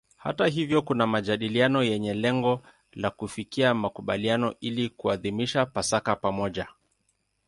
Hata hivyo kuna majadiliano yenye lengo la kufikia makubaliano ili kuadhimisha Pasaka pamoja.